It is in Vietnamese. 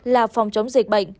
là phòng chống dịch bệnh